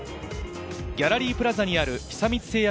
ギャラリープラザにある久光製薬